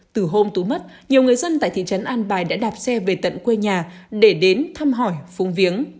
từ hôm tú mất nhiều người dân tại thị trấn an bài đã đạp xe về tận quê nhà để đến thăm hỏi phung viếng